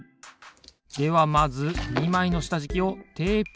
ではまず２まいのしたじきをテープでとめます。